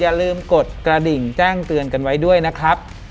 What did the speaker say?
อย่าลืมกดกระดิ่งแจ้งเตือนกันไว้ด้วยนะครับ